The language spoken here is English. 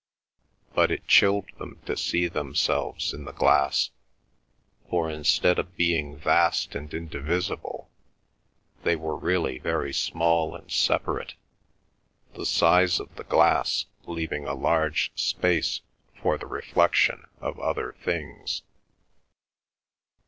But it chilled them to see themselves in the glass, for instead of being vast and indivisible they were really very small and separate, the size of the glass leaving a large space for the reflection of other things.